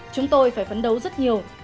chúng tôi phải phấn đấu rất nhiều